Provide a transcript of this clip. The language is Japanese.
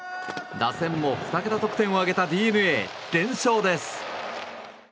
打線も２桁得点を挙げたＤｅＮＡ連勝です。